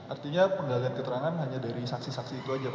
artinya penggalian keterangan hanya dari saksi saksi itu aja pak